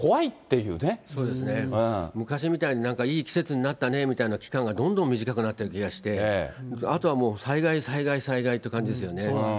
昔みたいに、いい季節になったねみたいな期間がどんどん短くなってる気がして、あとはもう、災害、災害、災害っていう感じですね。